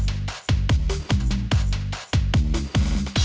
โอ้โหมึงทำไม